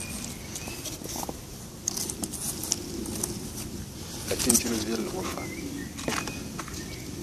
Ka chinchini viɛlli ŋɔ fa?